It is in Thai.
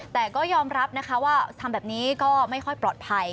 แต่ก็ยอมรับนะคะว่าทำแบบนี้ก็ไม่ค่อยปลอดภัย